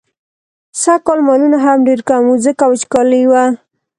سږکال مالونه هم ډېر کم وو، ځکه وچکالي وه.